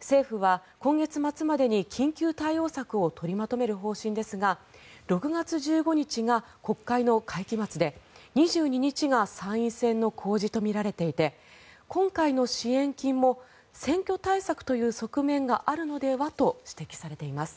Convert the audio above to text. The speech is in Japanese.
政府は今月末までに緊急対応策を取りまとめる方針ですが６月１５日が国会の会期末で２２日が参院選の公示とみられていて今回の支援金も選挙対策という側面があるのではと指摘されています。